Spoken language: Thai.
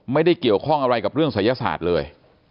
ไม่ได้เกี่ยวข้องอะไรกับเรื่องศัยศาสตร์เลย